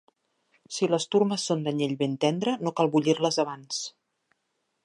si les turmes són d'anyell ben tendre, no cal bullir-les abans